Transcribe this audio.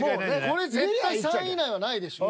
これ絶対３位以内はないでしょう。